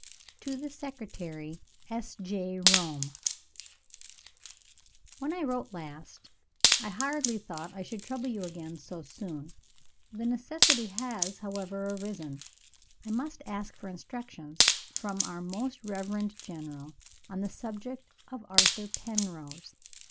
To the Secretary, S. J., Rome. WHEN I wrote last, I hardly thought I should trouble you again so soon. The necessity has, however, arisen. I must ask for instructions, from our Most Reverend General, on the subject of Arthur Penrose.